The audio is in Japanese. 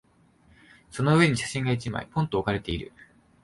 その上に写真が一枚、ぽんと置かれている。